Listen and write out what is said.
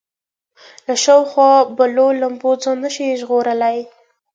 له شاوخوا بلو لمبو ځان نه شي ژغورلی.